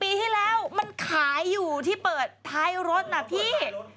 ปีที่แล้วมันขายอยู่ที่เปิดท้ายรถน่ะพี่